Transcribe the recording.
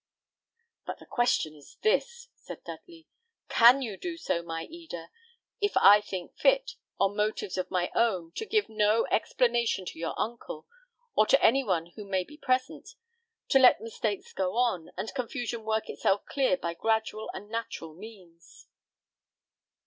"But the question is this," said Dudley. "Can you do so, my Eda, if I think fit, on motives of my own, to give no explanations to your uncle, or any one who may be present, to let mistakes go on, and confusion work itself clear by gradual and natural means?"